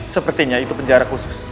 sepertinya itu penjara khusus